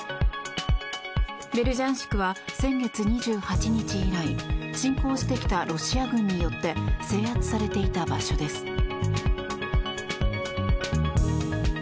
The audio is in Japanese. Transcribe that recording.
ベルジャンシクは先月２８日以来侵攻してきたロシア軍によって制圧されていた場所です。